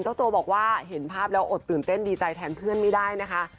เจ้าตัวบอกว่าเห็นภาพแล้วอดตื่นเต้นดีใจแทนเพื่อนไม่ได้นะคะ